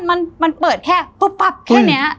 แล้วมันเปิดแค่ปป๊ะแฟ่แค่เนี้ย